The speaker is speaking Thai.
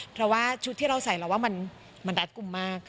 เพราะว่าชุดที่เราใส่เราว่ามันรัดกลุ่มมาก